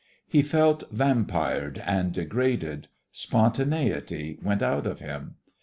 He felt vampired and degraded; spontaneity went out of him.